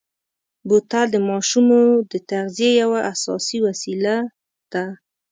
بوتل د ماشومو د تغذیې یوه اساسي وسیله ده.